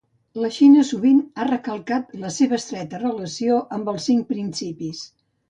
La Xina sovint a recalcat la seva estreta relació amb els Cinc Principis.